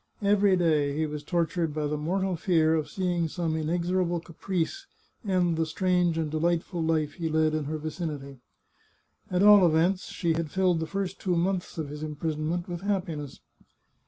Every day he was tortured by the mortal fear of seeing some inexorable caprice end the strange and delight ful life he led in her vicinity. At all events, she had filled the first two months of his imprisonment with happiness.